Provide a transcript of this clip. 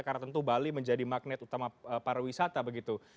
karena tentu bali menjadi magnet utama para wisata begitu